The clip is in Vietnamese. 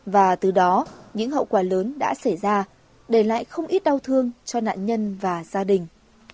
và từ đó những hậu quả lớn đã xảy ra để lại không ít đau thương cho nạn nhân và gia đình